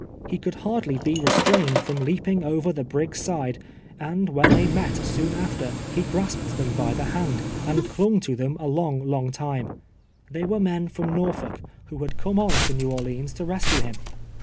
He could liarilly be restrained from leaping over the brig's side ; and wlion tliej met soon after, he grasped them by the hand, and clung to tlicm a long, long time. They were men from Norfolk, who had come on to New Orleans to rescue him.